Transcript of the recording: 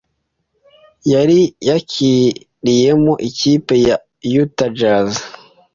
yari yakiriyemo ikipe ya Utah Jazz